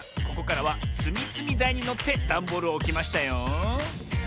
ここからはつみつみだいにのってダンボールをおきましたよ。